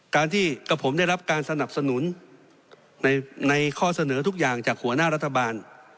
การที่กับผมได้รับการสนับสนุนในข้อเสนอทุกอย่างจากหัวหน้ารัฐบาล